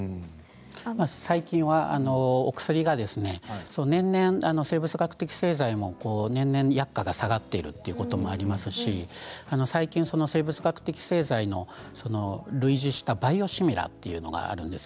最近は、お薬が年々、生物学的製剤も薬価が下がっているということもありますし最近、生物学的製剤のバイオシミラーというものがあります。